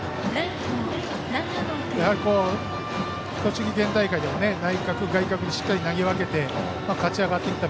やはり栃木県大会でも内角、外角にしっかり投げ分けて勝ち上がってきた